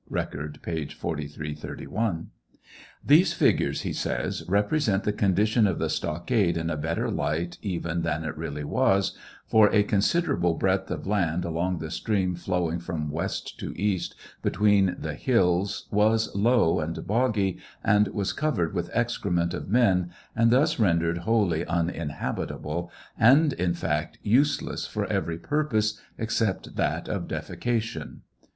(Record, p. 433] .) These figures, he says, represent the condition of the stockade in a better light even than it really was, for a considerable breadth of land along the stream flowing from west to east between the hills was low and boggy, and was covered with excrement of men, and thus rendered wholly uninhabitable, and in fact useless for everj purpose, except that of defication.